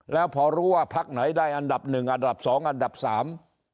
แล้วพอรู้ว่าพักไหนได้อันดับหนึ่งอันดับสองอันดับสาม